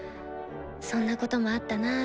「そんなこともあったなぁ」